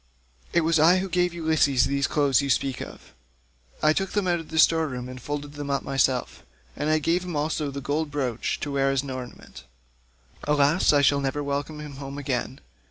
It was I who gave Ulysses the clothes you speak of. I took them out of the store room and folded them up myself, and I gave him also the gold brooch to wear as an ornament. Alas! I shall never welcome him home again.